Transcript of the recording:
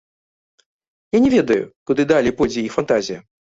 Я не ведаю, куды далей пойдзе іх фантазія.